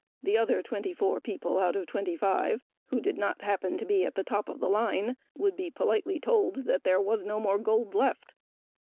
The other twenty four people out of twenty five, who did not happen to be at the top of the line, would be told politely that there was no more gold left.